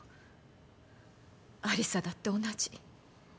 有沙だって同じ。